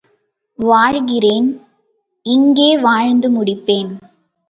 வாழ்கிறேன் இங்கே வாழ்ந்து முடிப்பேன்.